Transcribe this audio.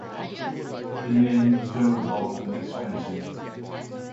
In the end he was overbowled and expensive.